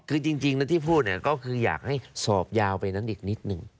คือจริงที่พูดก็คืออยากให้สอบยาวไปนั้นอีกนิดหนึ่ง